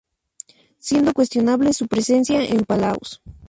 Siendo cuestionable su presencia en Palaos.